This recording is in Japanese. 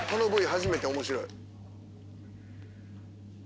初めて面白い。